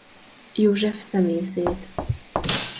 József szemészét.